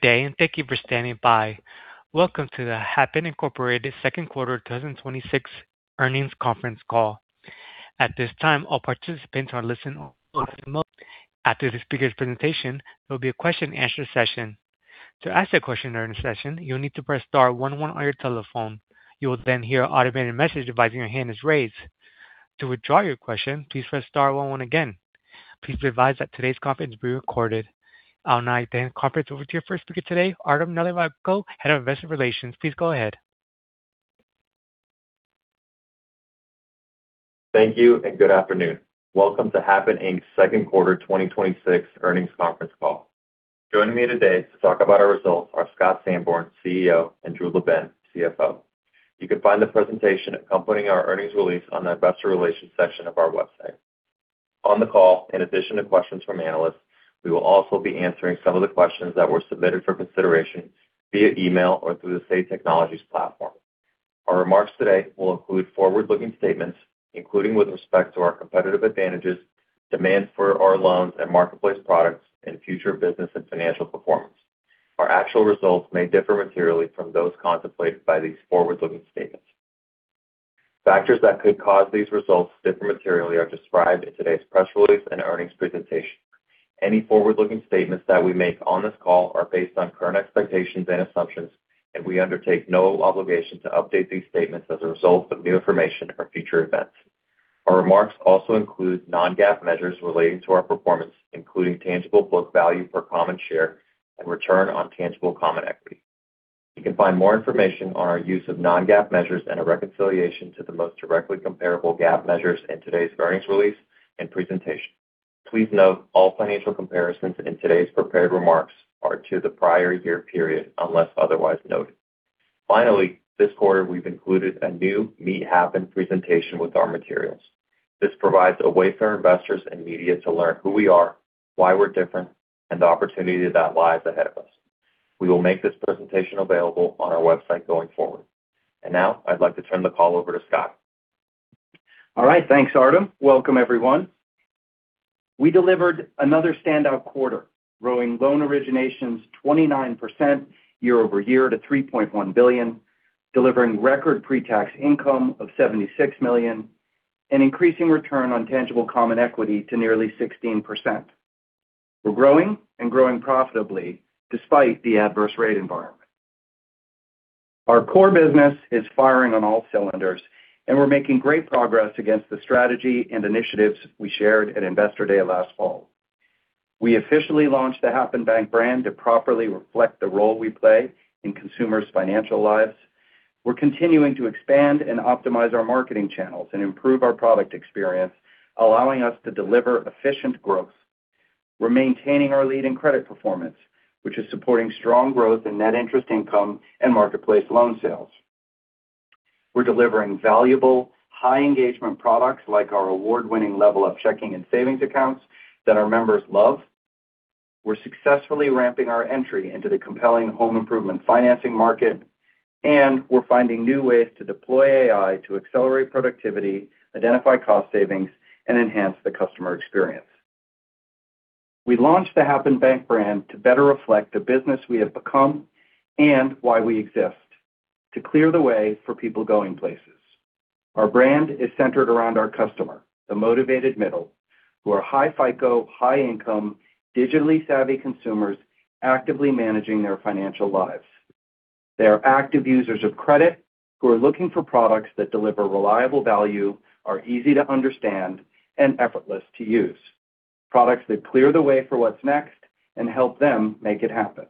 Good day. Thank you for standing by. Welcome to the Happen, Inc. Second Quarter 2026 Earnings Conference Call. At this time, all participants are listening only mode. After the speaker's presentation, there will be a question-and-answer session. To ask a question during the session, you'll need to press star one one on your telephone. You will hear an automated message advising your hand is raised. To withdraw your question, please press star one one again. Please be advised that today's conference is being recorded. I'll now hand the conference over to your first speaker today, Artem Nalivayko, Head of Investor Relations. Please go ahead. Thank you. Good afternoon. Welcome to Happen Inc.'s Second Quarter 2026 Earnings Conference Call. Joining me today to talk about our results are Scott Sanborn, CEO, and Drew LaBenne, CFO. You can find the presentation accompanying our earnings release on the investor relations section of our website. On the call, in addition to questions from analysts, we will also be answering some of the questions that were submitted for consideration via email or through the Say Technologies platform. Our remarks today will include forward-looking statements, including with respect to our competitive advantages, demand for our loans and marketplace products, and future business and financial performance. Our actual results may differ materially from those contemplated by these forward-looking statements. Factors that could cause these results to differ materially are described in today's press release and earnings presentation. Any forward-looking statements that we make on this call are based on current expectations and assumptions, and we undertake no obligation to update these statements as a result of new information or future events. Our remarks also include non-GAAP measures relating to our performance, including tangible book value per common share and return on tangible common equity. You can find more information on our use of non-GAAP measures and a reconciliation to the most directly comparable GAAP measures in today's earnings release and presentation. Please note, all financial comparisons in today's prepared remarks are to the prior year period, unless otherwise noted. Finally, this quarter, we've included a new Meet Happen presentation with our materials. This provides a way for our investors and media to learn who we are, why we're different, and the opportunity that lies ahead of us. We will make this presentation available on our website going forward. Now I'd like to turn the call over to Scott. All right. Thanks, Artem. Welcome, everyone. We delivered another standout quarter, growing loan originations 29% year-over-year to $3.1 billion, delivering record pre-tax income of $76 million, and increasing return on tangible common equity to nearly 16%. We're growing and growing profitably despite the adverse rate environment. Our core business is firing on all cylinders, and we're making great progress against the strategy and initiatives we shared at Investor Day last fall. We officially launched the Happen Bank brand to properly reflect the role we play in consumers' financial lives. We're continuing to expand and optimize our marketing channels and improve our product experience, allowing us to deliver efficient growth. We're maintaining our leading credit performance, which is supporting strong growth in net interest income and marketplace loan sales. We're delivering valuable high-engagement products like our award-winning LevelUp Checking and LevelUp Savings accounts that our members love. We're successfully ramping our entry into the compelling home improvement financing market, and we're finding new ways to deploy AI to accelerate productivity, identify cost savings, and enhance the customer experience. We launched the Happen Bank brand to better reflect the business we have become and why we exist, to clear the way for people going places. Our brand is centered around our customer, the motivated middle, who are high FICO, high income, digitally savvy consumers actively managing their financial lives. They are active users of credit who are looking for products that deliver reliable value, are easy to understand, and effortless to use. Products that clear the way for what's next and help them make it happen.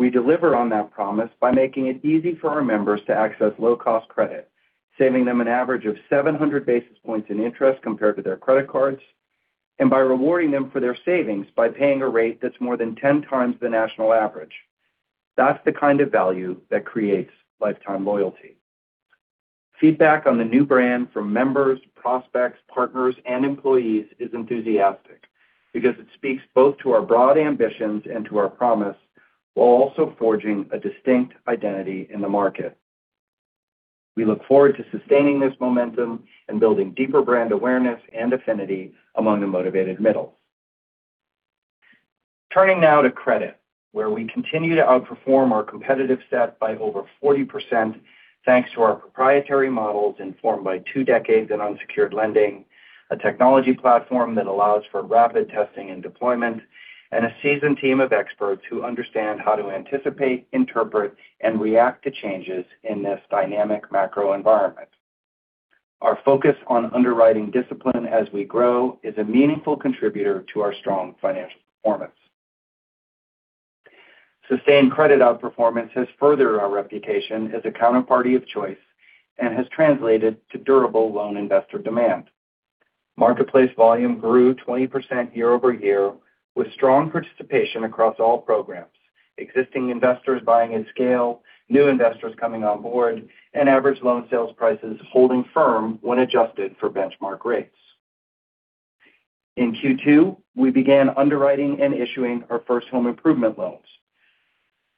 We deliver on that promise by making it easy for our members to access low-cost credit, saving them an average of 700 basis points in interest compared to their credit cards, and by rewarding them for their savings by paying a rate that's more than 10x the national average. That's the kind of value that creates lifetime loyalty. Feedback on the new brand from members, prospects, partners, and employees is enthusiastic because it speaks both to our broad ambitions and to our promise, while also forging a distinct identity in the market. We look forward to sustaining this momentum and building deeper brand awareness and affinity among the motivated middle. Turning now to credit, where we continue to outperform our competitive set by over 40% thanks to our proprietary models informed by two decades in unsecured lending, a technology platform that allows for rapid testing and deployment, and a seasoned team of experts who understand how to anticipate, interpret, and react to changes in this dynamic macro environment. Our focus on underwriting discipline as we grow is a meaningful contributor to our strong financial performance. Sustained credit outperformance has furthered our reputation as a counterparty of choice and has translated to durable loan investor demand. Marketplace volume grew 20% year-over-year with strong participation across all programs, existing investors buying in scale, new investors coming on board, and average loan sales prices holding firm when adjusted for benchmark rates. In Q2, we began underwriting and issuing our first home improvement loans.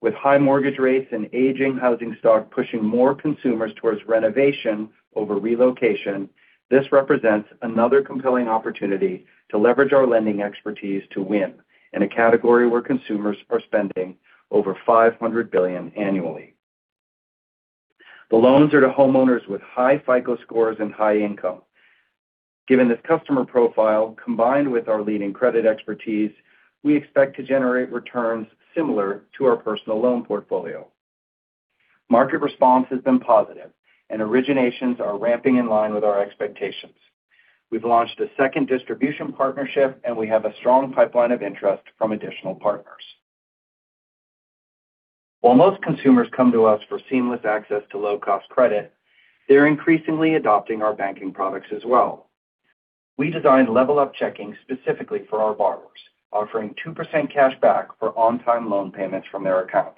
With high mortgage rates and aging housing stock pushing more consumers towards renovation over relocation, this represents another compelling opportunity to leverage our lending expertise to win in a category where consumers are spending over $500 billion annually. The loans are to homeowners with high FICO scores and high income. Given this customer profile, combined with our leading credit expertise, we expect to generate returns similar to our personal loan portfolio. Market response has been positive, and originations are ramping in line with our expectations. We have a strong pipeline of interest from additional partners. While most consumers come to us for seamless access to low-cost credit, they're increasingly adopting our banking products as well. We designed LevelUp Checking specifically for our borrowers, offering 2% cash back for on-time loan payments from their account.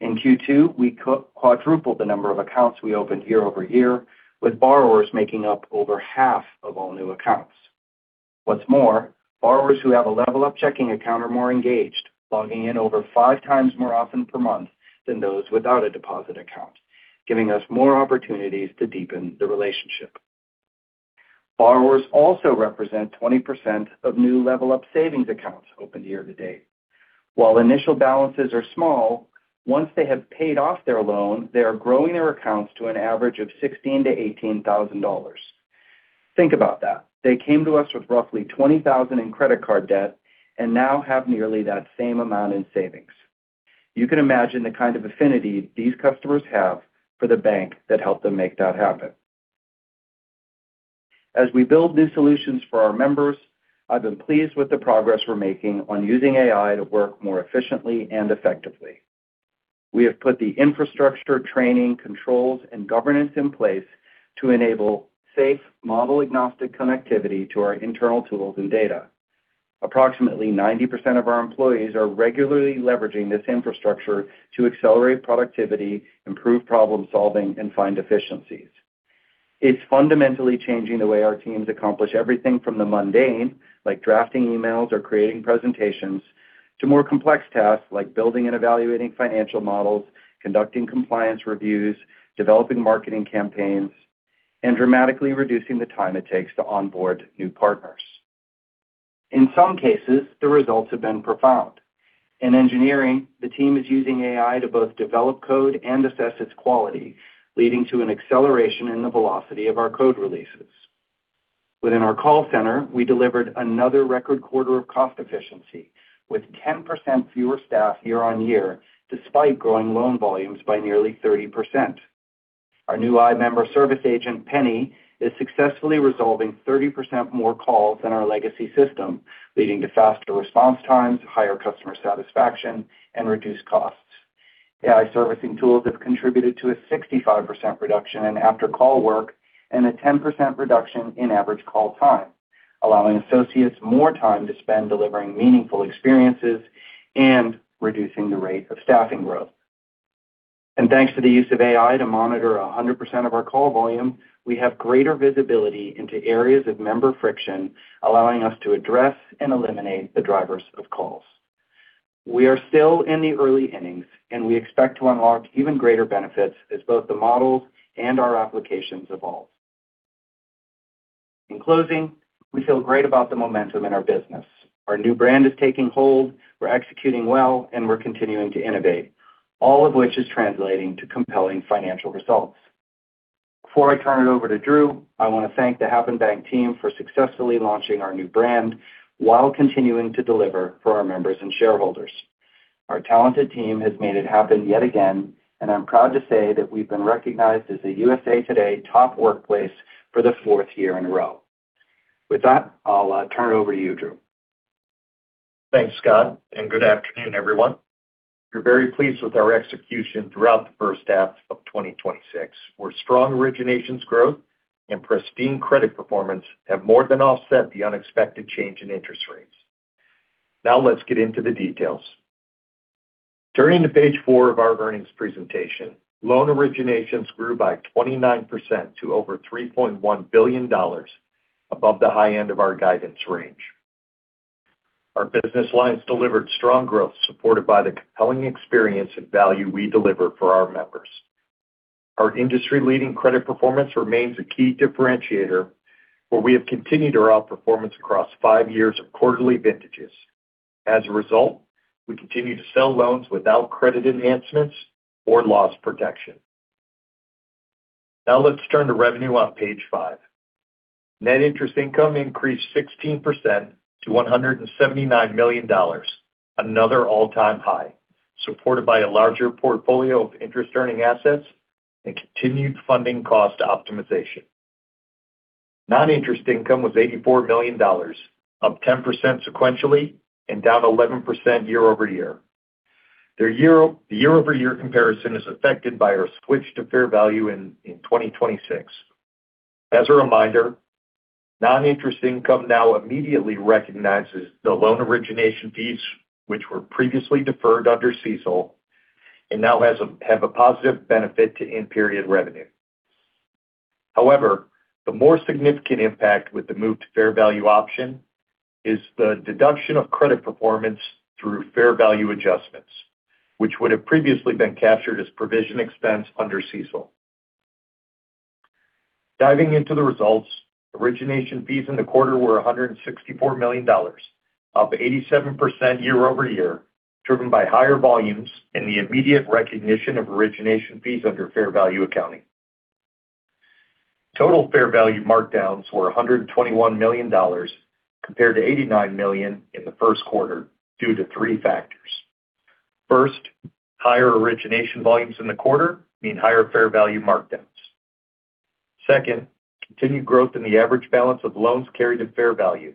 In Q2, we quadrupled the number of accounts we opened year-over-year, with borrowers making up over half of all new accounts. What's more, borrowers who have a LevelUp Checking account are more engaged, logging in over 5x more often per month than those without a deposit account, giving us more opportunities to deepen the relationship. Borrowers also represent 20% of new LevelUp Savings accounts opened year-to-date. While initial balances are small, once they have paid off their loan, they are growing their accounts to an average of $16,000-$18,000. Think about that. They came to us with roughly $20,000 in credit card debt and now have nearly that same amount in savings. You can imagine the kind of affinity these customers have for the bank that helped them make that happen. As we build new solutions for our members, I've been pleased with the progress we're making on using AI to work more efficiently and effectively. We have put the infrastructure, training, controls, and governance in place to enable safe model agnostic connectivity to our internal tools and data. Approximately 90% of our employees are regularly leveraging this infrastructure to accelerate productivity, improve problem-solving, and find efficiencies. It's fundamentally changing the way our teams accomplish everything from the mundane, like drafting emails or creating presentations, to more complex tasks like building and evaluating financial models, conducting compliance reviews, developing marketing campaigns, and dramatically reducing the time it takes to onboard new partners. In some cases, the results have been profound. In engineering, the team is using AI to both develop code and assess its quality, leading to an acceleration in the velocity of our code releases. Within our call center, we delivered another record quarter of cost efficiency with 10% fewer staff year-on-year, despite growing loan volumes by nearly 30%. Our new AI member service agent, Penny, is successfully resolving 30% more calls than our legacy system, leading to faster response times, higher customer satisfaction, and reduced costs. AI servicing tools have contributed to a 65% reduction in after-call work and a 10% reduction in average call time, allowing associates more time to spend delivering meaningful experiences and reducing the rate of staffing growth. Thanks to the use of AI to monitor 100% of our call volume, we have greater visibility into areas of member friction, allowing us to address and eliminate the drivers of calls. We are still in the early innings, and we expect to unlock even greater benefits as both the models and our applications evolve. In closing, we feel great about the momentum in our business. Our new brand is taking hold, we're executing well, and we're continuing to innovate. All of which is translating to compelling financial results. Before I turn it over to Drew, I want to thank the Happen Bank team for successfully launching our new brand while continuing to deliver for our members and shareholders. Our talented team has made it happen yet again, and I'm proud to say that we've been recognized as a USA TODAY top workplace for the fourth year in a row. With that, I'll turn it over to you, Drew. Thanks, Scott, good afternoon, everyone. We're very pleased with our execution throughout the first half of 2026, where strong originations growth and pristine credit performance have more than offset the unexpected change in interest rates. Let's get into the details. Turning to page four of our earnings presentation, loan originations grew by 29% to over $3.1 billion, above the high end of our guidance range. Our business lines delivered strong growth, supported by the compelling experience and value we deliver for our members. Our industry-leading credit performance remains a key differentiator, where we have continued our outperformance across five years of quarterly vintages. As a result, we continue to sell loans without credit enhancements or loss protection. Let's turn to revenue on page five. Net interest income increased 16% to $179 million, another all-time high, supported by a larger portfolio of interest-earning assets and continued funding cost optimization. Non-interest income was $84 million, up 10% sequentially and down 11% year-over-year. The year-over-year comparison is affected by our switch to fair value in 2026. As a reminder, non-interest income now immediately recognizes the loan origination fees, which were previously deferred under CECL and now have a positive benefit to end-period revenue. The more significant impact with the move to fair value option is the deduction of credit performance through fair value adjustments, which would have previously been captured as provision expense under CECL. Diving into the results, origination fees in the quarter were $164 million, up 87% year-over-year, driven by higher volumes and the immediate recognition of origination fees under fair value accounting. Total fair value markdowns were $121 million, compared to $89 million in the first quarter due to three factors. First, higher origination volumes in the quarter mean higher fair value markdowns. Second, continued growth in the average balance of loans carried at fair value.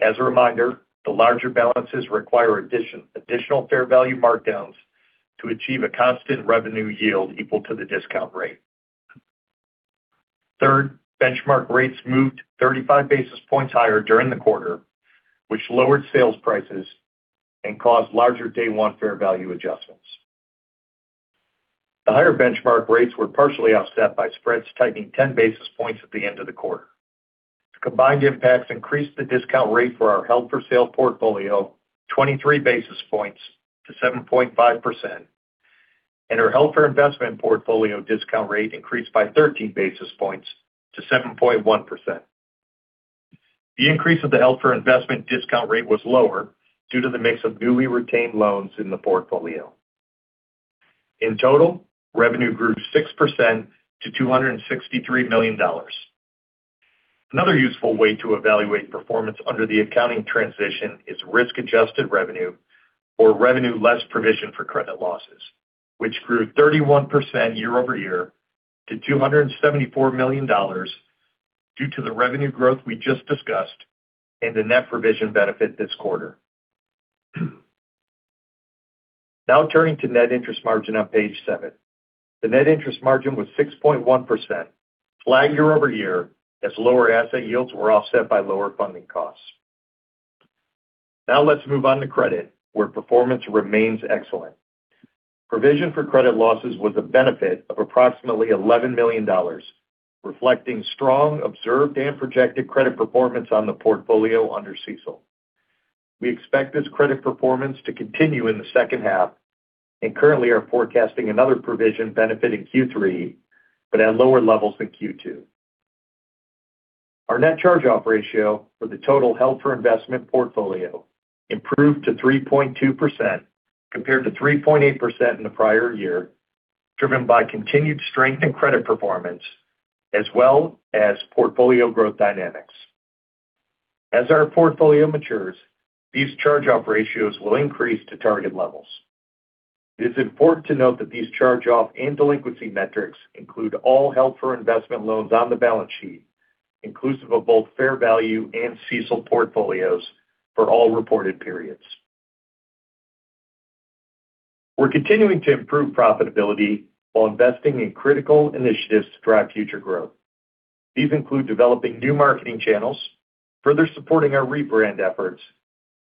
As a reminder, the larger balances require additional fair value markdowns to achieve a constant revenue yield equal to the discount rate. Third, benchmark rates moved 35 basis points higher during the quarter, which lowered sales prices and caused larger day one fair value adjustments. The higher benchmark rates were partially offset by spreads tightening 10 basis points at the end of the quarter. The combined impacts increased the discount rate for our held for sale portfolio 23 basis points to 7.5%, and our held for investment portfolio discount rate increased by 13 basis points to 7.1%. The increase of the held for investment discount rate was lower due to the mix of newly retained loans in the portfolio. In total, revenue grew 6% to $263 million. Another useful way to evaluate performance under the accounting transition is risk-adjusted revenue or revenue less provision for credit losses, which grew 31% year-over-year to $274 million due to the revenue growth we just discussed and the net provision benefit this quarter. Turning to net interest margin on page seven. The net interest margin was 6.1%, flat year-over-year, as lower asset yields were offset by lower funding costs. Let's move on to credit, where performance remains excellent. Provision for credit losses was a benefit of approximately $11 million, reflecting strong observed and projected credit performance on the portfolio under CECL. We expect this credit performance to continue in the second half and currently are forecasting another provision benefit in Q3, but at lower levels than Q2. Our net charge-off ratio for the total held for investment portfolio improved to 3.2%, compared to 3.8% in the prior year, driven by continued strength in credit performance as well as portfolio growth dynamics. As our portfolio matures, these charge-off ratios will increase to target levels. It is important to note that these charge-off and delinquency metrics include all held for investment loans on the balance sheet, inclusive of both fair value and CECL portfolios for all reported periods. We're continuing to improve profitability while investing in critical initiatives to drive future growth. These include developing new marketing channels, further supporting our rebrand efforts,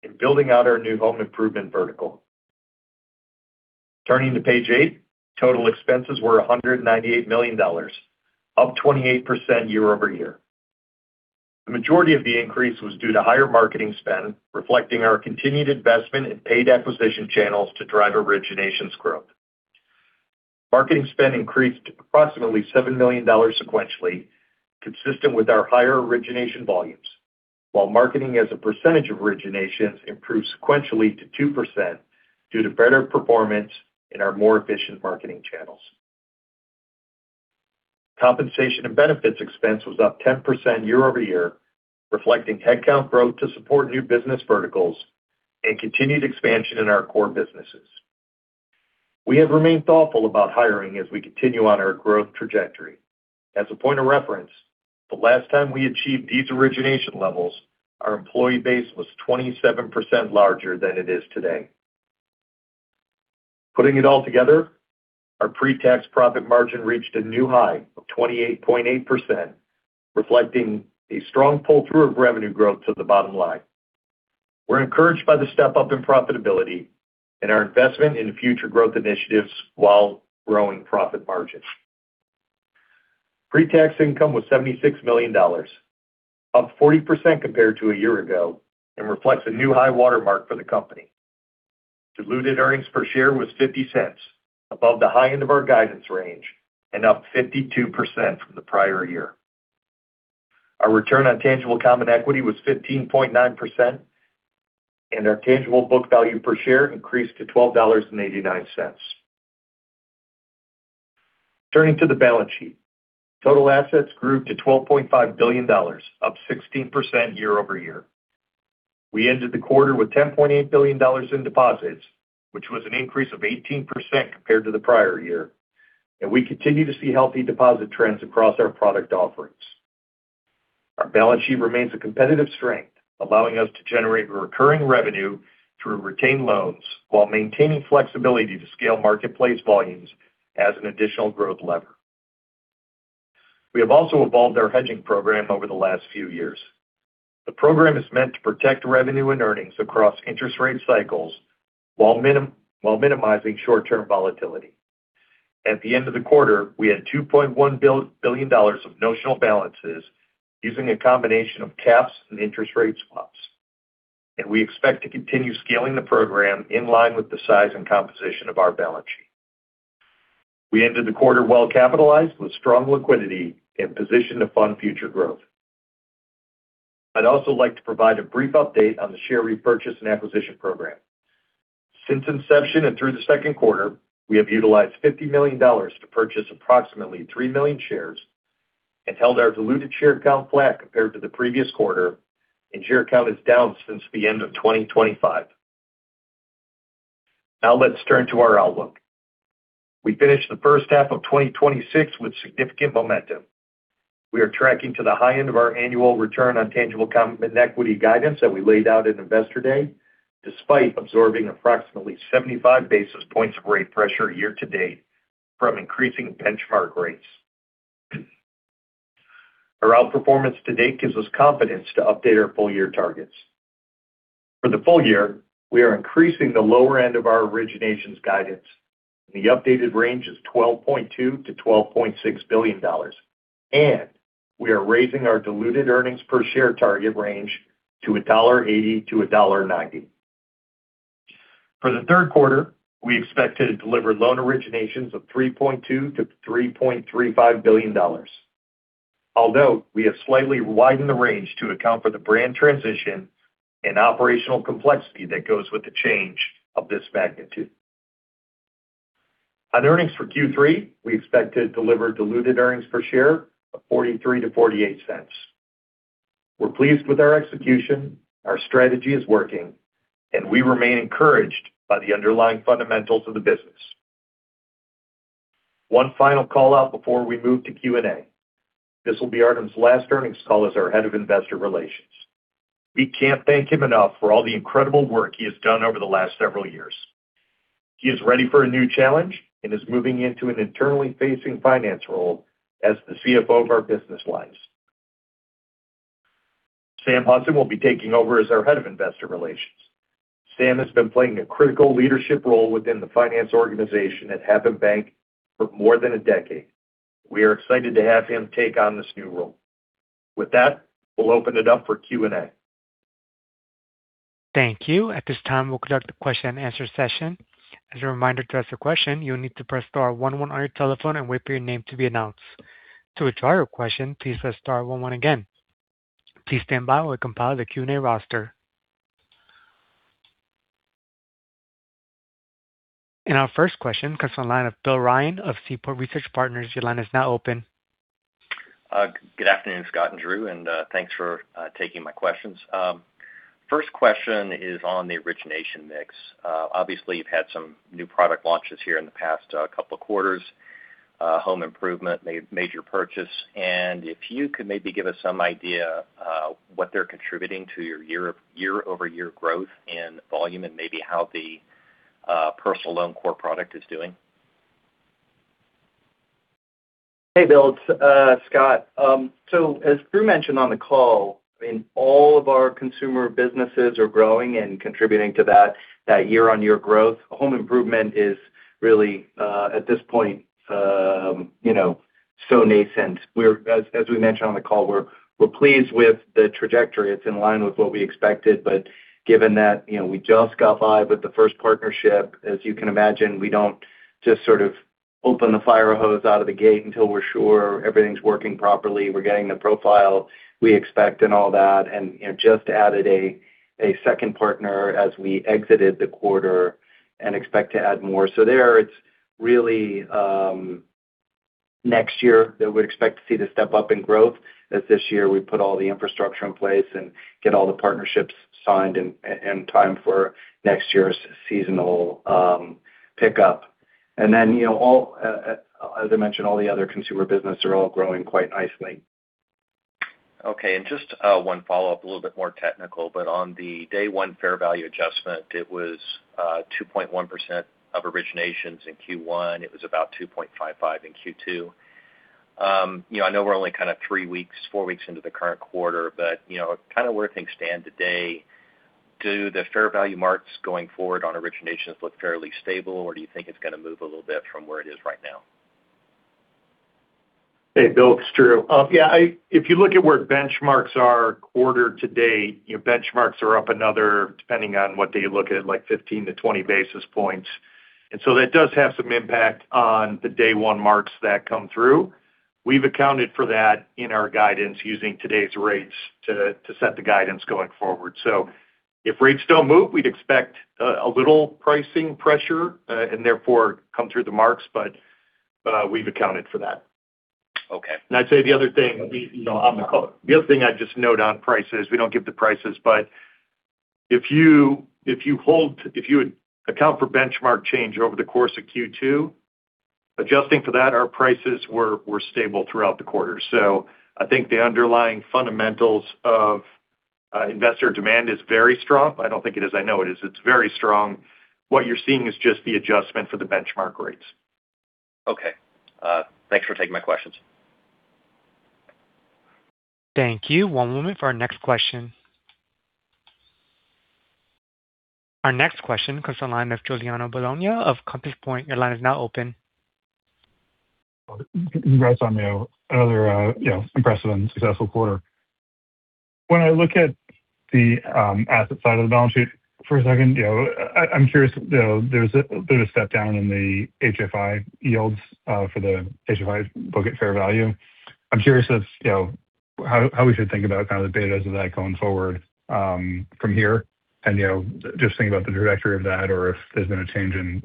and building out our new home improvement vertical. Turning to page eight, total expenses were $198 million, up 28% year-over-year. The majority of the increase was due to higher marketing spend, reflecting our continued investment in paid acquisition channels to drive originations growth. Marketing spend increased approximately $7 million sequentially, consistent with our higher origination volumes, while marketing as a percentage of originations improved sequentially to 2% due to better performance in our more efficient marketing channels. Compensation and benefits expense was up 10% year-over-year, reflecting headcount growth to support new business verticals and continued expansion in our core businesses. We have remained thoughtful about hiring as we continue on our growth trajectory. As a point of reference, the last time we achieved these origination levels, our employee base was 27% larger than it is today. Putting it all together, our pre-tax profit margin reached a new high of 28.8%, reflecting a strong pull-through of revenue growth to the bottom line. We're encouraged by the step-up in profitability and our investment in future growth initiatives while growing profit margins. Pre-tax income was $76 million, up 40% compared to a year ago and reflects a new high watermark for the company. Diluted earnings per share was $0.50 above the high end of our guidance range and up 52% from the prior year. Our return on tangible common equity was 15.9%, and our tangible book value per share increased to $12.89. Turning to the balance sheet. Total assets grew to $12.5 billion, up 16% year-over-year. We ended the quarter with $10.8 billion in deposits, which was an increase of 18% compared to the prior year, and we continue to see healthy deposit trends across our product offerings. Our balance sheet remains a competitive strength, allowing us to generate recurring revenue through retained loans while maintaining flexibility to scale marketplace volumes as an additional growth lever. We have also evolved our hedging program over the last few years. The program is meant to protect revenue and earnings across interest rate cycles while minimizing short-term volatility. At the end of the quarter, we had $2.1 billion of notional balances using a combination of caps and interest rate swaps. We expect to continue scaling the program in line with the size and composition of our balance sheet. We ended the quarter well-capitalized with strong liquidity and positioned to fund future growth. I'd also like to provide a brief update on the share repurchase and acquisition program. Since inception and through the second quarter, we have utilized $50 million to purchase approximately three million shares and held our diluted share count flat compared to the previous quarter, and share count is down since the end of 2025. Now let's turn to our outlook. We finished the first half of 2026 with significant momentum. We are tracking to the high end of our annual return on tangible common equity guidance that we laid out at Investor Day, despite absorbing approximately 75 basis points of rate pressure year-to-date from increasing benchmark rates. Our outperformance to date gives us confidence to update our full year targets. For the full year, we are increasing the lower end of our originations guidance, and the updated range is $12.2 billion to $12.6 billion. We are raising our diluted earnings per share target range to $1.80 to $1.90. For the third quarter, we expect to deliver loan originations of $3.2 billion-$3.35 billion. Although, we have slightly widened the range to account for the brand transition and operational complexity that goes with the change of this magnitude. On earnings for Q3, we expect to deliver diluted earnings per share of $0.43-$0.48. We're pleased with our execution, our strategy is working, and we remain encouraged by the underlying fundamentals of the business. One final call-out before we move to Q&A. This will be Artem's last earnings call as our Head of Investor Relations. We can't thank him enough for all the incredible work he has done over the last several years. He is ready for a new challenge and is moving into an internally-facing finance role as the CFO of our business lines. Sam Hudson will be taking over as our Head of Investor Relations. Sam has been playing a critical leadership role within the finance organization at Happen Bank for more than a decade. We are excited to have him take on this new role. With that, we'll open it up for Q&A. Thank you. At this time, we'll conduct a question-and-answer session. As a reminder, to ask a question, you'll need to press star one one on your telephone and wait for your name to be announced. To withdraw your question, please press star one one again. Please stand by while we compile the Q&A roster. Our first question comes from the line of Bill Ryan of Seaport Research Partners. Your line is now open. Good afternoon, Scott and Drew, and thanks for taking my questions. First question is on the origination mix. Obviously, you've had some new product launches here in the past couple of quarters, home improvement, major purchase. If you could maybe give us some idea what they're contributing to your year-over-year growth in volume and maybe how the personal loan core product is doing. Hey, Bill. It's Scott. As Drew mentioned on the call, all of our consumer businesses are growing and contributing to that year-on-year growth. Home improvement is really, at this point so nascent. As we mentioned on the call, we're pleased with the trajectory. It's in line with what we expected, but given that we just got live with the first partnership, as you can imagine, we don't just sort of open the fire hose out of the gate until we're sure everything's working properly, we're getting the profile we expect and all that. Just added a second partner as we exited the quarter and expect to add more. There, it's really next year that we'd expect to see the step-up in growth as this year we put all the infrastructure in place and get all the partnerships signed in time for next year's seasonal pickup. As I mentioned, all the other consumer business are all growing quite nicely. Okay, just one follow-up, a little bit more technical, but on the day one fair value adjustment, it was 2.1% of originations in Q1. It was about 2.55% in Q2. I know we're only kind of three weeks, four weeks into the current quarter, but kind of where things stand today, do the fair value marks going forward on originations look fairly stable, or do you think it's going to move a little bit from where it is right now? Hey, Bill, it's Drew. Yeah. If you look at where benchmarks are quarter to date, benchmarks are up another, depending on what day you look at, 15-20 basis points. That does have some impact on the day one marks that come through. We've accounted for that in our guidance using today's rates to set the guidance going forward. If rates don't move, we'd expect a little pricing pressure, and therefore come through the marks. We've accounted for that. Okay. I'd say the other thing. Yeah. The other thing I'd just note on prices, we don't give the prices, but if you account for benchmark change over the course of Q2, adjusting for that, our prices were stable throughout the quarter. I think the underlying fundamentals of investor demand is very strong. I don't think it is, I know it is. It's very strong. What you're seeing is just the adjustment for the benchmark rates. Okay. Thanks for taking my questions. Thank you. One moment for our next question. Our next question comes from the line of Giuliano Bologna of Compass Point. Your line is now open. Congrats on another impressive and successful quarter. When I look at the asset side of the balance sheet for a second, I'm curious, there's a bit of a step down in the HFI yields for the HFI book at fair value. I'm curious how we should think about the betas of that going forward from here. Just thinking about the trajectory of that or if there's been a change in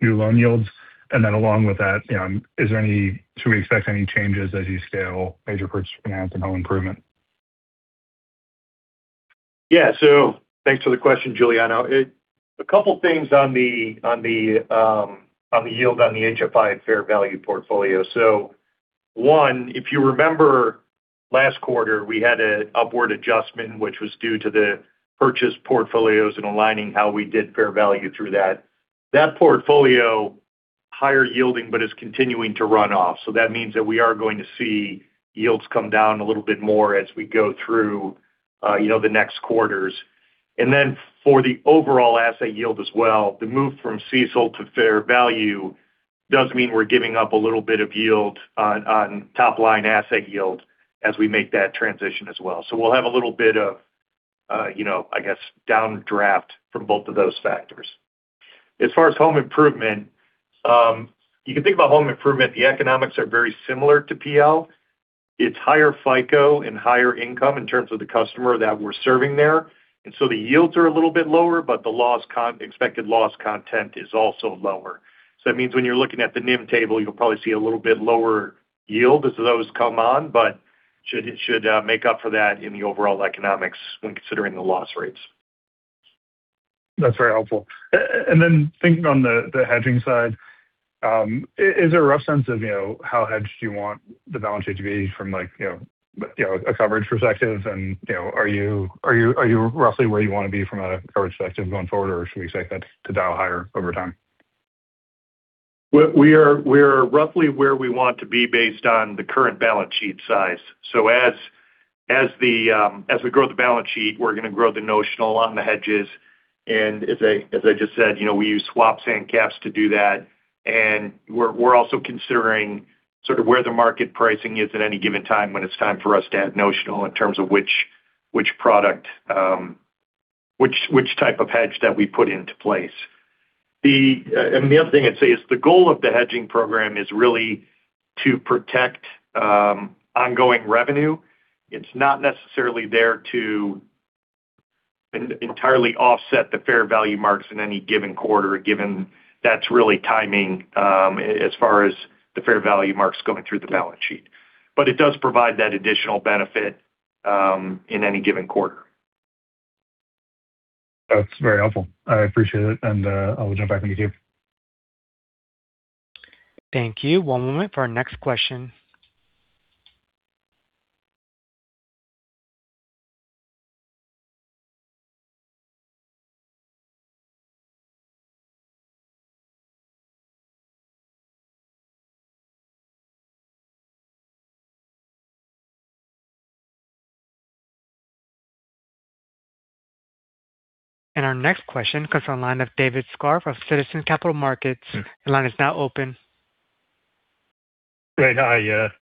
new loan yields. Then along with that, should we expect any changes as you scale major purchase finance and home improvement? Yeah. Thanks for the question, Giuliano. A couple things on the yield on the HFI fair value portfolio. One, if you remember last quarter, we had an upward adjustment, which was due to the purchase portfolios and aligning how we did fair value through that. That portfolio, higher yielding, but is continuing to run off. That means that we are going to see yields come down a little bit more as we go through the next quarters. Then for the overall asset yield as well, the move from CECL to fair value does mean we're giving up a little bit of yield on top-line asset yield as we make that transition as well. We'll have a little bit of I guess, downdraft from both of those factors. As far as home improvement, you can think about home improvement, the economics are very similar to PL. It's higher FICO and higher income in terms of the customer that we're serving there. The yields are a little bit lower, the expected loss content is also lower. That means when you're looking at the NIM table, you'll probably see a little bit lower yield as those come on, but should make up for that in the overall economics when considering the loss rates. That's very helpful. Thinking on the hedging side, is there a rough sense of how hedged you want the balance sheet to be from a coverage perspective? Are you roughly where you want to be from a coverage perspective going forward, or should we expect that to dial higher over time? We are roughly where we want to be based on the current balance sheet size. As we grow the balance sheet, we're going to grow the notional on the hedges. As I just said, we use swaps and caps to do that. We're also considering sort of where the market pricing is at any given time when it's time for us to add notional in terms of which type of hedge that we put into place. The other thing I'd say is the goal of the hedging program is really to protect ongoing revenue. It's not necessarily there to entirely offset the fair value marks in any given quarter, given that's really timing as far as the fair value marks going through the balance sheet. It does provide that additional benefit in any given quarter. That's very helpful. I appreciate it. I will jump back in the queue. Thank you. One moment for our next question. Our next question comes from the line of David Scharf of Citizens Capital Markets. Your line is now open. Great. Hi,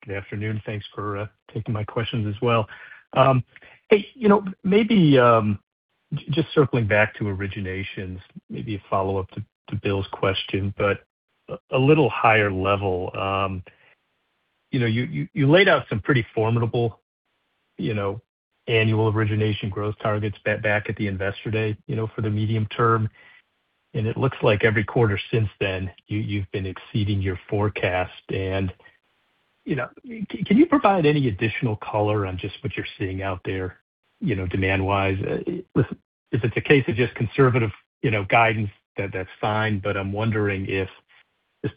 good afternoon. Thanks for taking my questions as well. Maybe just circling back to originations, maybe a follow-up to Bill's question, but a little higher level. You laid out some pretty formidable annual origination growth targets back at the Investor Day for the medium-term. It looks like every quarter since then you've been exceeding your forecast. Can you provide any additional color on just what you're seeing out there demand-wise? If it's a case of just conservative guidance, that's fine, but I'm wondering if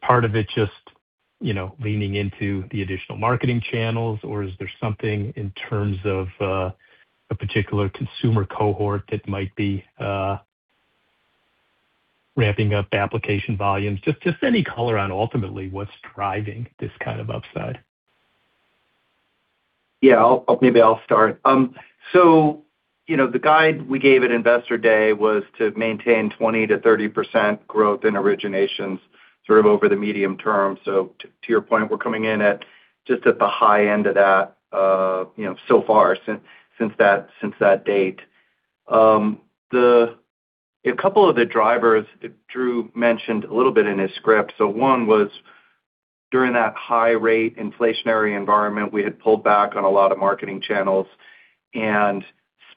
part of it just leaning into the additional marketing channels, or is there something in terms of a particular consumer cohort that might be ramping up application volumes? Just any color on ultimately what's driving this kind of upside. Yeah. Maybe I'll start. The guide we gave at Investor Day was to maintain 20%-30% growth in originations sort of over the medium-term. To your point, we're coming in at just at the high end of that so far since that date. A couple of the drivers Drew mentioned a little bit in his script. One was during that high-rate inflationary environment, we had pulled back on a lot of marketing channels and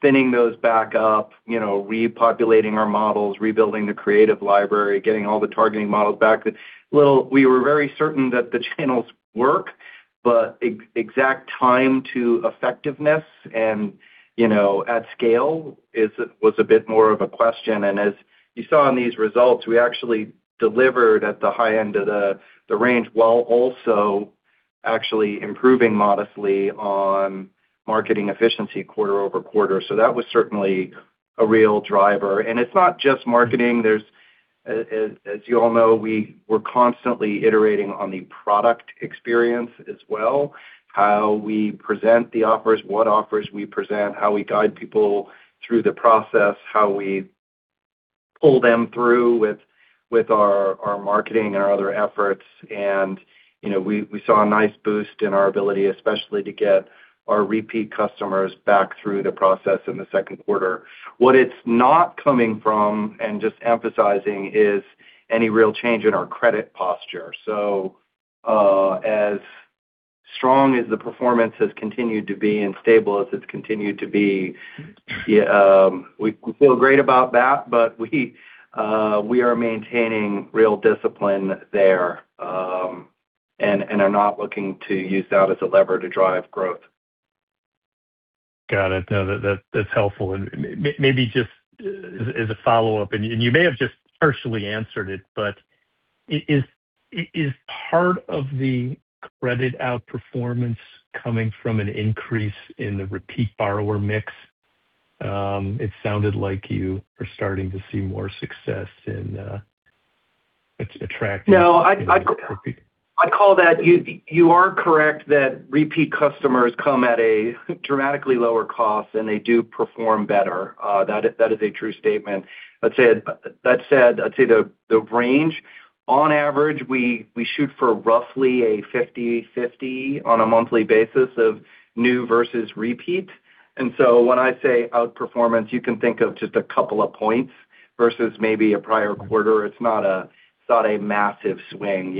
spinning those back up, repopulating our models, rebuilding the creative library, getting all the targeting models back. We were very certain that the channels work, but exact time to effectiveness and at scale was a bit more of a question. As you saw in these results, we actually delivered at the high end of the range while also actually improving modestly on marketing efficiency quarter-over-quarter. That was certainly a real driver. It's not just marketing. As you all know, we're constantly iterating on the product experience as well, how we present the offers, what offers we present, how we guide people through the process, how we pull them through with our marketing and our other efforts. We saw a nice boost in our ability, especially to get our repeat customers back through the process in the second quarter. What it's not coming from, and just emphasizing, is any real change in our credit posture. As strong as the performance has continued to be and stable as it's continued to be, we feel great about that. We are maintaining real discipline there, and are not looking to use that as a lever to drive growth. Got it. No, that's helpful. Maybe just as a follow-up, and you may have just partially answered it, is part of the credit outperformance coming from an increase in the repeat borrower mix? It sounded like you are starting to see more success in attracting. No. You are correct that repeat customers come at a dramatically lower cost, and they do perform better. That is a true statement. That said, I'd say the range, on average, we shoot for roughly a 50/50 on a monthly basis of new versus repeat. When I say outperformance, you can think of just a couple of points versus maybe a prior quarter. It's not a massive swing.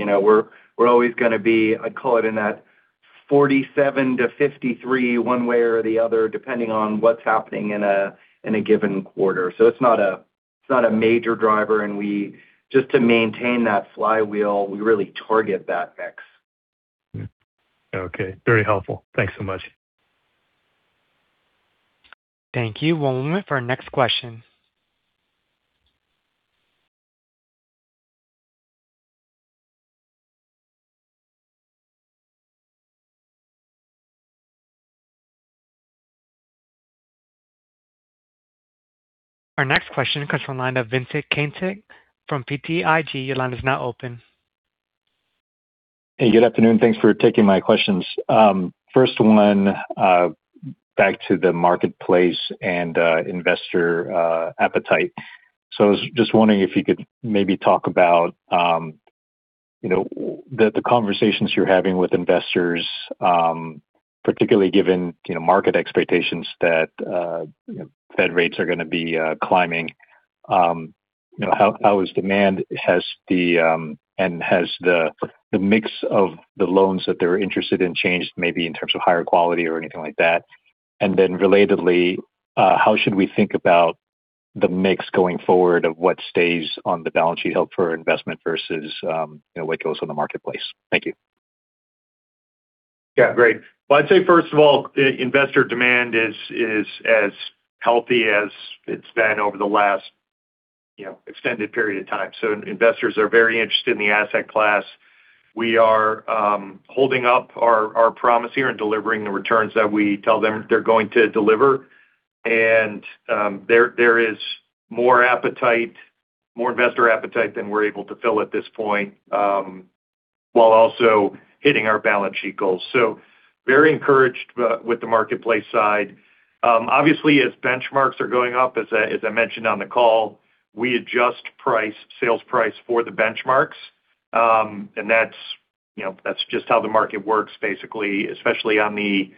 We're always going to be, I'd call it in that 47-53 one way or the other, depending on what's happening in a given quarter. It's not a major driver, and just to maintain that flywheel, we really target that mix. Okay. Very helpful. Thanks so much. Thank you. One moment for our next question. Our next question comes from the line of Vincent Caintic from BTIG. Your line is now open. Hey, good afternoon. Thanks for taking my questions. First one, back to the marketplace and investor appetite. I was just wondering if you could maybe talk about the conversations you're having with investors, particularly given market expectations that Fed rates are going to be climbing. How is demand, and has the mix of the loans that they're interested in changed maybe in terms of higher quality or anything like that? Relatedly, how should we think about the mix going forward of what stays on the balance sheet held for investment versus what goes on the marketplace? Thank you. Well, I'd say first of all, investor demand is as healthy as it's been over the last extended period of time. Investors are very interested in the asset class. We are holding up our promise here and delivering the returns that we tell them they're going to deliver. There is more investor appetite than we're able to fill at this point, while also hitting our balance sheet goals. Very encouraged with the marketplace side. Obviously, as benchmarks are going up, as I mentioned on the call, we adjust sales price for the benchmarks. That's just how the market works, basically, especially on the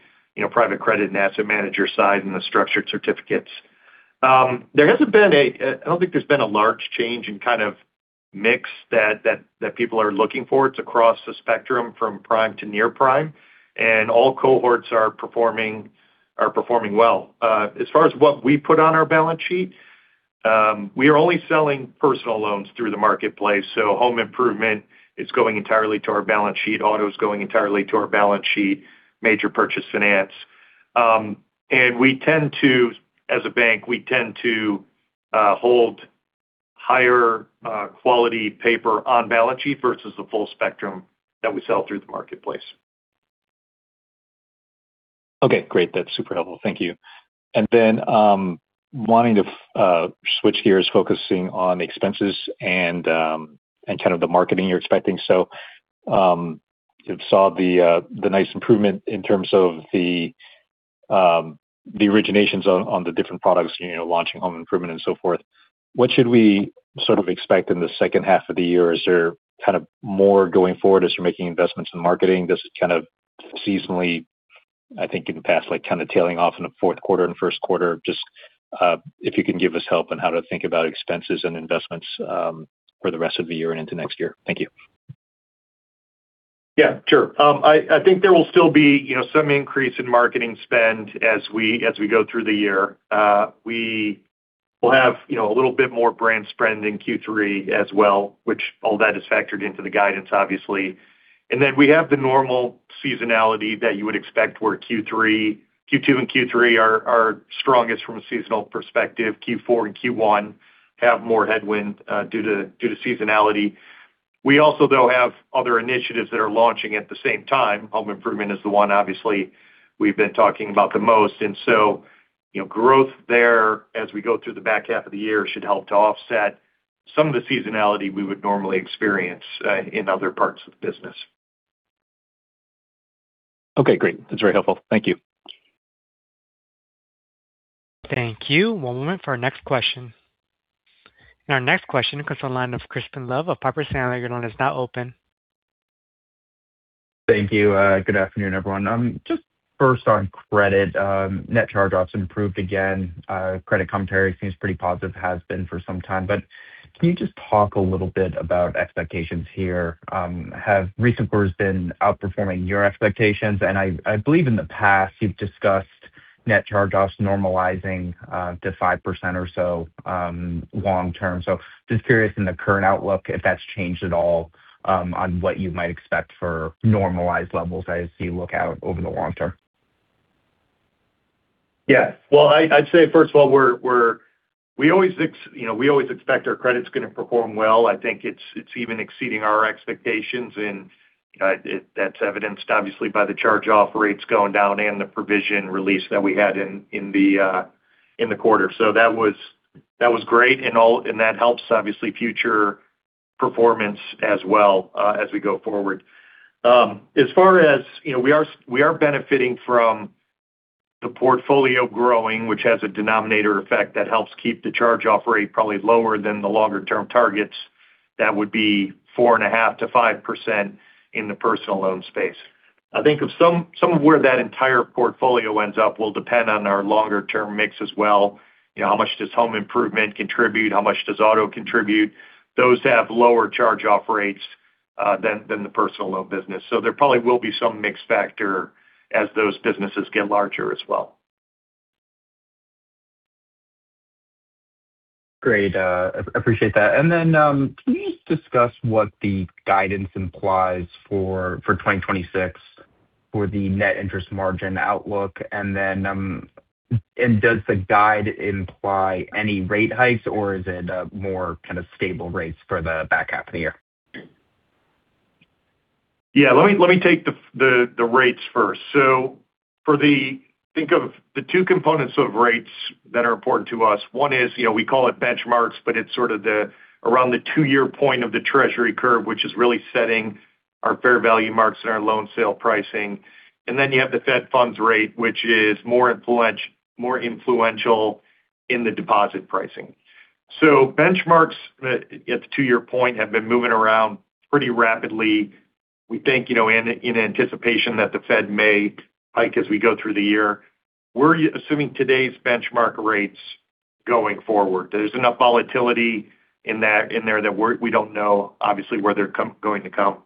private credit and asset manager side and the structured certificates. I don't think there's been a large change in kind of mix that people are looking for. It's across the spectrum from prime to near prime, and all cohorts are performing well. As far as what we put on our balance sheet, we are only selling personal loans through the marketplace. Home improvement is going entirely to our balance sheet. Auto's going entirely to our balance sheet, major purchase finance. As a bank, we tend to hold higher quality paper on balance sheet versus the full spectrum that we sell through the marketplace. Okay, great. That's super helpful. Thank you. Wanting to switch gears, focusing on expenses and kind of the marketing you're expecting. Saw the nice improvement in terms of the originations on the different products, launching Home improvement and so forth. What should we sort of expect in the second half of the year? Is there kind of more going forward as you're making investments in marketing? This is kind of seasonally, I think, in the past, kind of tailing off in the fourth quarter and first quarter. Just if you can give us help on how to think about expenses and investments for the rest of the year and into next year. Thank you. Yeah, sure. I think there will still be some increase in marketing spend as we go through the year. We will have a little bit more brand spend in Q3 as well, which all that is factored into the guidance, obviously. We have the normal seasonality that you would expect where Q2 and Q3 are our strongest from a seasonal perspective. Q4 and Q1 have more headwind due to seasonality. We also though have other initiatives that are launching at the same time. Home improvement is the one obviously we've been talking about the most. Growth there as we go through the back half of the year should help to offset some of the seasonality we would normally experience in other parts of the business. Okay, great. That's very helpful. Thank you. Thank you. One moment for our next question. Our next question comes on line of Crispin Love of Piper Sandler. Your line is now open. Thank you. Good afternoon, everyone. Just first on credit. Net charge-offs improved again. Credit commentary seems pretty positive, has been for some time. Can you just talk a little bit about expectations here? Have recent quarters been outperforming your expectations? I believe in the past you've discussed net charge-offs normalizing to 5% or so, long-term. Just curious in the current outlook, if that's changed at all, on what you might expect for normalized levels as you look out over the long-term. Yes. Well, I'd say first of all, we always expect our credit's going to perform well. I think it's even exceeding our expectations, that's evidenced obviously by the charge-off rates going down and the provision release that we had in the quarter. That was great and that helps obviously future performance as well, as we go forward. We are benefiting from the portfolio growing, which has a denominator effect that helps keep the charge-off rate probably lower than the longer-term targets. That would be 4.5%-5% in the personal loan space. I think some of where that entire portfolio ends up will depend on our longer-term mix as well. How much does home improvement contribute? How much does auto contribute? Those have lower charge-off rates than the personal loan business. There probably will be some mix factor as those businesses get larger as well. Great. I appreciate that. Then, can you discuss what the guidance implies for 2026 for the net interest margin outlook? Does the guide imply any rate hikes or is it a more kind of stable rates for the back half of the year? Yeah. Let me take the rates first. Think of the two components of rates that are important to us. One is, we call it benchmarks, but it's sort of around the two-year point of the Treasury curve, which is really setting our fair value marks and our loan sale pricing. You have the Fed funds rate, which is more influential in the deposit pricing. Benchmarks at the two-year point have been moving around pretty rapidly. We think in anticipation that the Fed may hike as we go through the year. We're assuming today's benchmark rates going forward. There's enough volatility in there that we don't know, obviously, where they're going to come.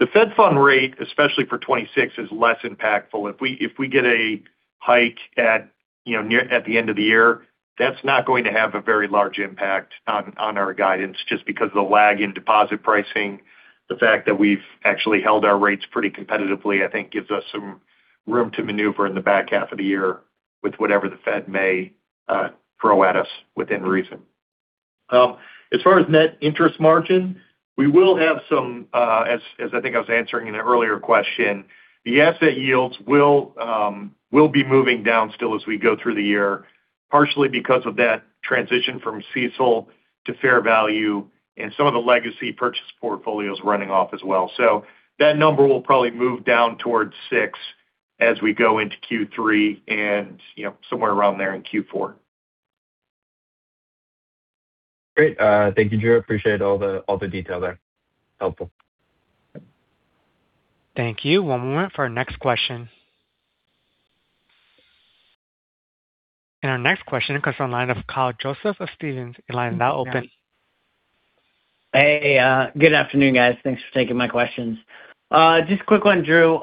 The Fed fund rate, especially for 2026, is less impactful. If we get a hike at the end of the year, that's not going to have a very large impact on our guidance just because of the lag in deposit pricing. The fact that we've actually held our rates pretty competitively, I think gives us some room to maneuver in the back half of the year with whatever the Fed may throw at us within reason. As far as net interest margin, as I think I was answering in an earlier question, the asset yields will be moving down still as we go through the year, partially because of that transition from CECL to fair value and some of the legacy purchase portfolios running off as well. That number will probably move down towards six as we go into Q3 and somewhere around there in Q4. Great. Thank you, Drew. Appreciate all the detail there. Helpful. Thank you. One moment for our next question. Our next question comes from the line of Kyle Joseph of Stephens. Your line is now open. Hey, good afternoon, guys. Thanks for taking my questions. Just a quick one, Drew.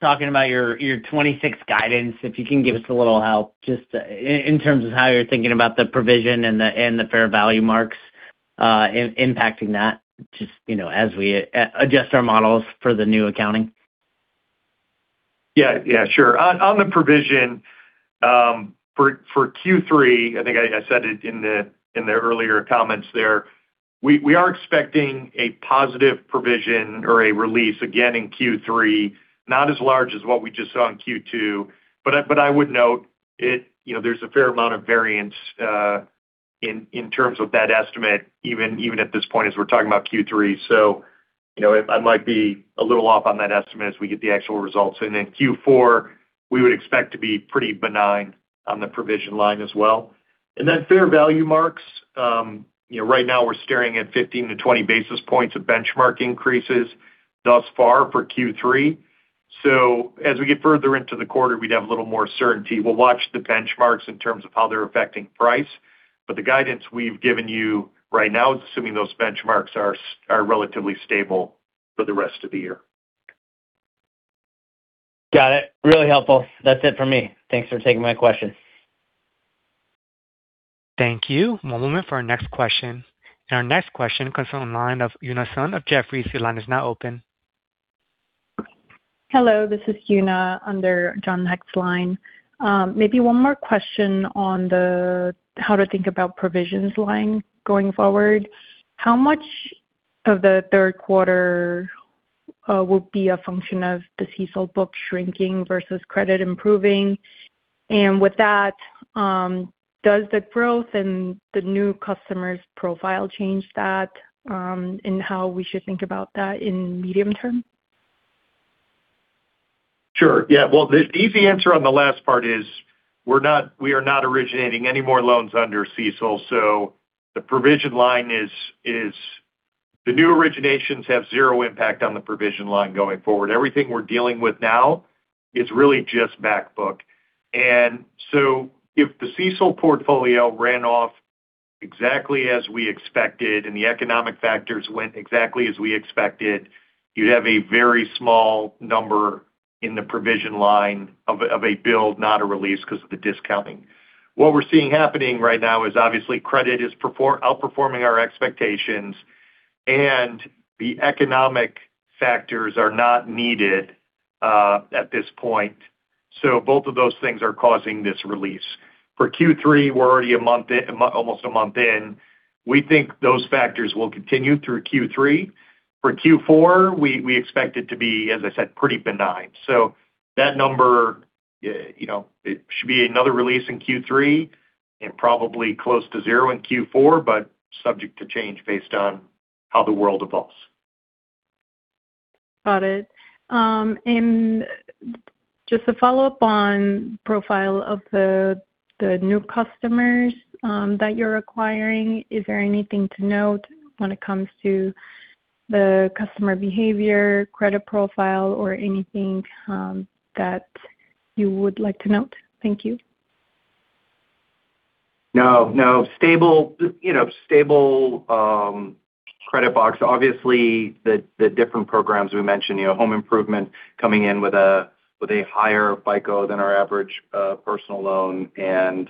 Talking about your 2026 guidance, if you can give us a little help just in terms of how you're thinking about the provision and the fair value marks impacting that just as we adjust our models for the new accounting. Yeah. Sure. On the provision, for Q3, I think I said it in the earlier comments there. We are expecting a positive provision or a release again in Q3, not as large as what we just saw in Q2. I would note, there's a fair amount of variance in terms of that estimate, even at this point as we're talking about Q3. I might be a little off on that estimate as we get the actual results. Q4, we would expect to be pretty benign on the provision line as well. Fair value marks. Right now we're staring at 15-20 basis points of benchmark increases thus far for Q3. As we get further into the quarter, we'd have a little more certainty. We'll watch the benchmarks in terms of how they're affecting price, the guidance we've given you right now is assuming those benchmarks are relatively stable for the rest of the year. Got it. Really helpful. That's it for me. Thanks for taking my question. Thank you. One moment for our next question. Our next question comes from the line of Yuna Sohn of Jefferies. Your line is now open. Hello, this is Yuna under John Hecht's line. Maybe one more question on the how to think about provisions line going forward. How much of the third quarter will be a function of the CECL book shrinking versus credit improving? With that, does the growth and the new customer's profile change that in how we should think about that in medium-term? Sure. Yeah. Well, the easy answer on the last part is we are not originating any more loans under CECL, so the new originations have zero impact on the provision line going forward. Everything we're dealing with now is really just back book. If the CECL portfolio ran off exactly as we expected and the economic factors went exactly as we expected, you'd have a very small number in the provision line of a build, not a release because of the discounting. What we're seeing happening right now is obviously credit is outperforming our expectations and the economic factors are not needed at this point. Both of those things are causing this release. For Q3, we're already almost a month in. We think those factors will continue through Q3. For Q4, we expect it to be, as I said, pretty benign. That number, it should be another release in Q3 and probably close to zero in Q4, subject to change based on how the world evolves. Got it. Just to follow up on profile of the new customers that you're acquiring, is there anything to note when it comes to the customer behavior, credit profile, or anything that you would like to note? Thank you. No. Stable credit box. Obviously, the different programs we mentioned, home improvement coming in with a higher FICO than our average personal loan and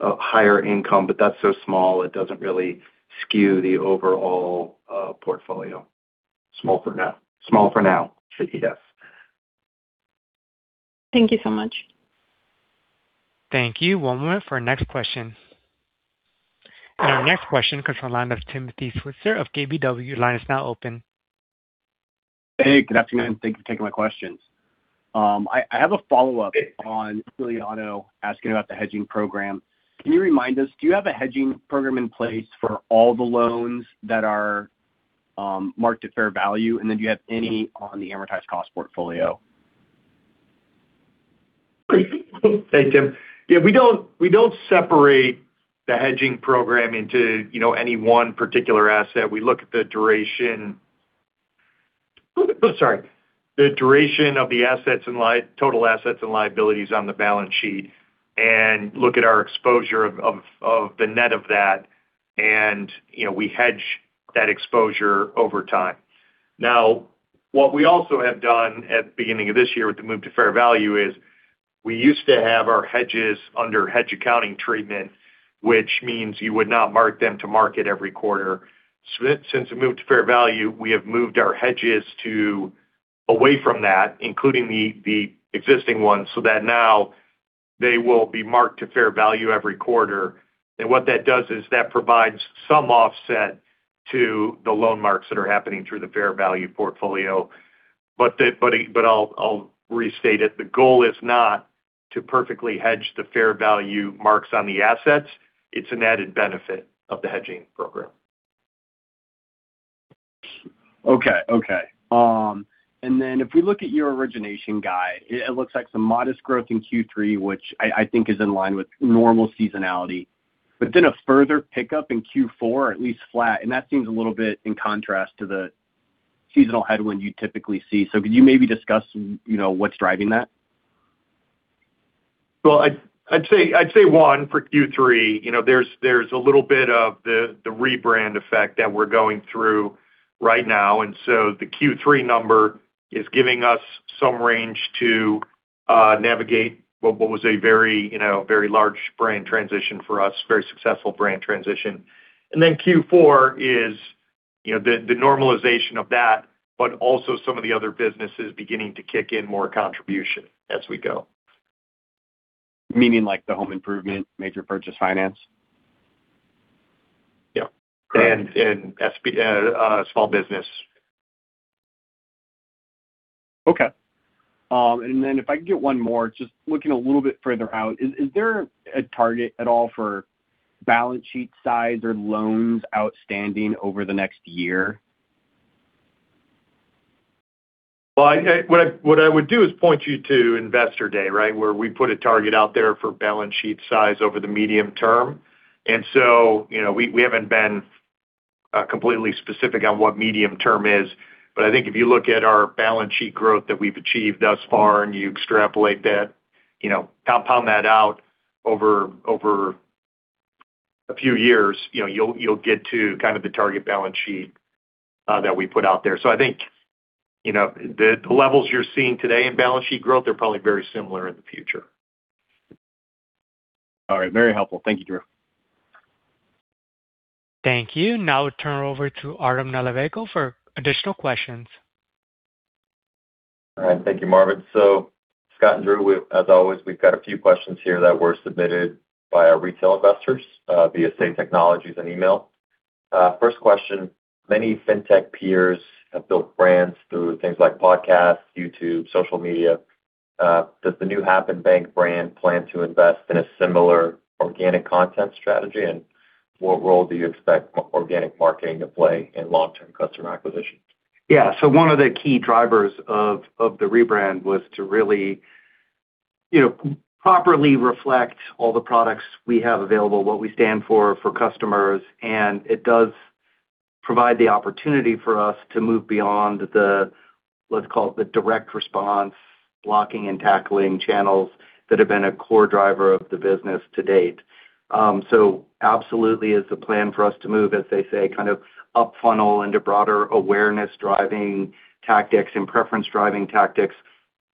higher income, but that's so small it doesn't really skew the overall portfolio. Small for now. Yes. Thank you so much. Thank you. One moment for our next question. Our next question comes from the line of Tim Switzer of KBW. Line is now open. Hey, good afternoon. Thank you for taking my questions. I have a follow-up on Giuliano asking about the hedging program. Can you remind us, do you have a hedging program in place for all the loans that are marked at fair value? Do you have any on the amortized cost portfolio? Hey, Tim. We don't separate the hedging program into any one particular asset. We look at the duration of the total assets and liabilities on the balance sheet and look at our exposure of the net of that, we hedge that exposure over time. What we also have done at the beginning of this year with the move to fair value is we used to have our hedges under hedge accounting treatment, which means you would not mark them to market every quarter. Since we moved to fair value, we have moved our hedges away from that, including the existing ones, so that now they will be marked to fair value every quarter. What that does is that provides some offset to the loan marks that are happening through the fair value portfolio. I'll restate it. The goal is not to perfectly hedge the fair value marks on the assets. It's an added benefit of the hedging program. Okay. If we look at your origination guide, it looks like some modest growth in Q3, which I think is in line with normal seasonality. A further pickup in Q4, at least flat, and that seems a little bit in contrast to the seasonal headwind you typically see. Could you maybe discuss what's driving that? Well, I'd say one for Q3. There's a little bit of the rebrand effect that we're going through right now. The Q3 number is giving us some range to navigate what was a very large brand transition for us, very successful brand transition. Q4 is the normalization of that, but also some of the other businesses beginning to kick in more contribution as we go. Meaning like the home improvement, major purchase finance? Yeah. Correct. Small business. Okay. If I can get one more, just looking a little bit further out, is there a target at all for balance sheet size or loans outstanding over the next year? Well, what I would do is point you to Investor Day, right? Where we put a target out there for balance sheet size over the medium-term. We haven't been completely specific on what medium-term is, but I think if you look at our balance sheet growth that we've achieved thus far and you extrapolate that, compound that out over a few years, you'll get to kind of the target balance sheet that we put out there. I think the levels you're seeing today in balance sheet growth are probably very similar in the future. All right. Very helpful. Thank you, Drew. Thank you. Now we turn over to Artem Nalivayko for additional questions. All right. Thank you, Marvin. Scott and Drew, as always, we've got a few questions here that were submitted by our retail investors via Say Technologies and email. First question, many fintech peers have built brands through things like podcasts, YouTube, social media. Does the new Happen Bank brand plan to invest in a similar organic content strategy? What role do you expect organic marketing to play in long-term customer acquisition? Yeah. One of the key drivers of the rebrand was to really properly reflect all the products we have available, what we stand for for customers. It does provide the opportunity for us to move beyond the, let's call it the direct response blocking and tackling channels that have been a core driver of the business to date. Absolutely, it's a plan for us to move, as they say, kind of up funnel into broader awareness driving tactics and preference driving tactics.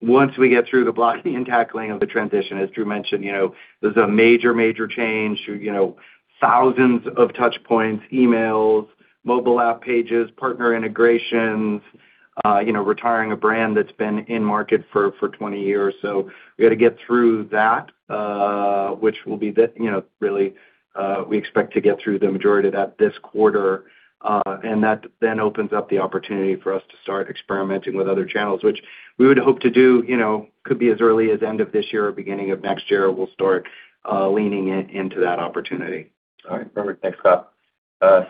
Once we get through the blocking and tackling of the transition, as Drew mentioned, there's a major change. Thousands of touch points, emails, mobile app pages, partner integrations, retiring a brand that's been in market for 20 years. We got to get through that, which we expect to get through the majority of that this quarter. That then opens up the opportunity for us to start experimenting with other channels, which we would hope to do, could be as early as end of this year or beginning of next year, we'll start leaning into that opportunity. All right. Perfect. Thanks, Scott.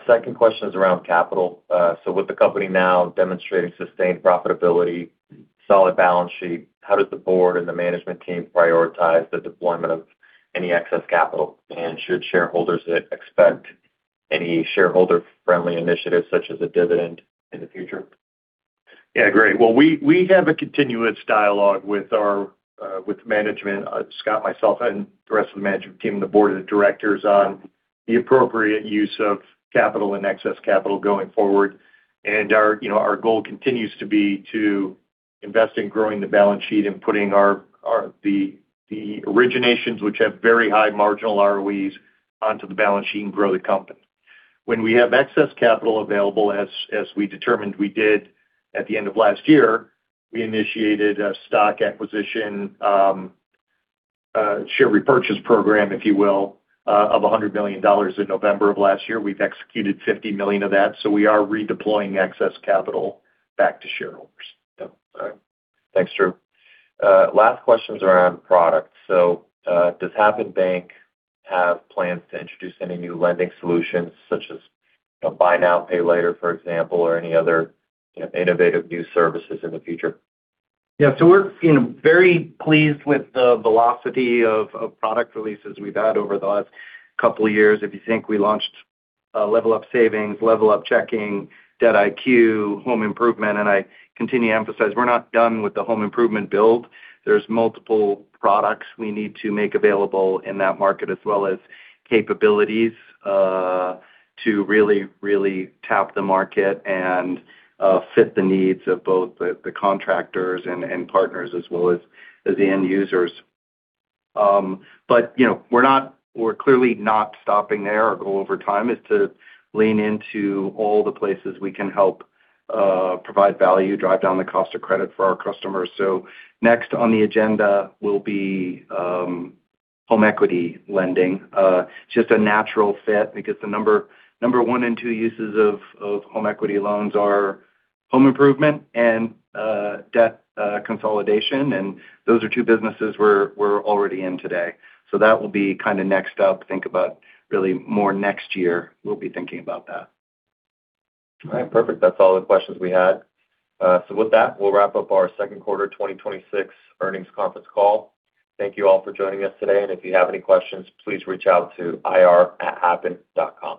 Second question is around capital. With the company now demonstrating sustained profitability, solid balance sheet, how does the board and the management team prioritize the deployment of any excess capital? Should shareholders expect any shareholder-friendly initiatives such as a dividend in the future? Yeah. Great. Well, we have a continuous dialogue with management, Scott, myself, and the rest of the management team and the board of directors on the appropriate use of capital and excess capital going forward. Our goal continues to be to invest in growing the balance sheet and putting the originations, which have very high marginal ROEs onto the balance sheet and grow the company. When we have excess capital available, as we determined we did at the end of last year, we initiated a stock acquisition share repurchase program, if you will, of $100 million in November of last year. We've executed $50 million of that. We are redeploying excess capital back to shareholders. Yeah. All right. Thanks, Drew. Last question is around product. Does Happen Bank have plans to introduce any new lending solutions such as buy now, pay later, for example, or any other innovative new services in the future? Yeah. We're very pleased with the velocity of product releases we've had over the last couple of years. If you think we launched LevelUp Savings, LevelUp Checking, Debt IQ, Home Improvement, and I continue to emphasize we're not done with the home improvement build. There's multiple products we need to make available in that market, as well as capabilities to really, really tap the market and fit the needs of both the contractors and partners as well as the end users. We're clearly not stopping there. Our goal over time is to lean into all the places we can help provide value, drive down the cost of credit for our customers. Next on the agenda will be home equity lending. Just a natural fit because the number one and two uses of home equity loans are home improvement and debt consolidation. Those are two businesses we're already in today. That will be kind of next up. Think about really more next year, we'll be thinking about that. All right. Perfect. That's all the questions we had. With that, we'll wrap up our second quarter 2026 earnings conference Call. Thank you all for joining us today. If you have any questions, please reach out to ir@happen.com.